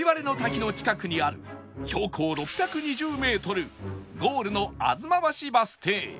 吹割の滝の近くにある標高６２０メートルゴールの東橋バス停